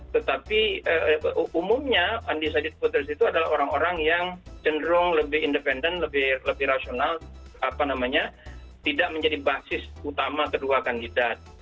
tetapi umumnya undecided voters itu adalah orang orang yang cenderung lebih independen lebih rasional tidak menjadi basis utama kedua kandidat